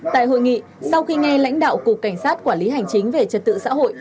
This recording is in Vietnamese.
tại hội nghị sau khi nghe lãnh đạo cục cảnh sát quản lý hành chính về trật tự xã hội